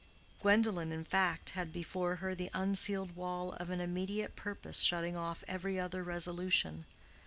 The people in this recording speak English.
Gwendolen in fact had before her the unsealed wall of an immediate purpose shutting off every other resolution.